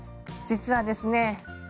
実はですね